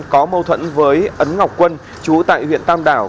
có mâu thuẫn với ấn ngọc quân chú tại huyện tam đảo